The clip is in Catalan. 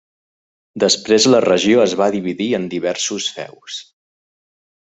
Després la regió es va dividir en diversos feus.